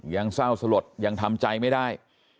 ยังเศร้าสลดยังทำใจไม่ได้